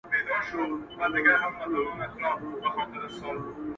د سوال یاري ده اوس به دړي وړي سینه٫